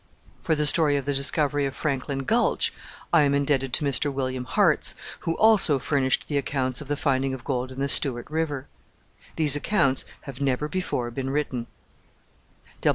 For the story of the discovery of Franklin Gulch I am indebted to Mr. William Hartz, who also furnished the accounts of the finding of gold in the Stewart River. These accounts have never before been written.